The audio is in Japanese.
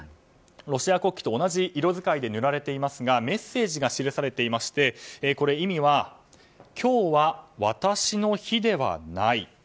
ロシア国旗と同じ色使いで塗られていますがメッセージが記されていまして意味は今日は私の日ではない。